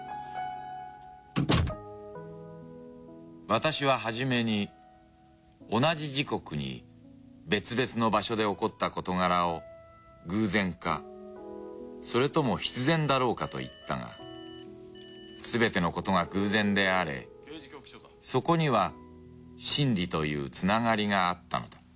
私は初めに同じ時刻に別々の場所で起こった事柄を偶然かそれとも必然だろうかと言ったがすべてのことが偶然であれそこには真理というつながりがあったのだ